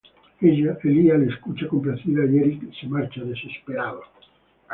Ella le escucha complacida, y Erik se marcha desesperado.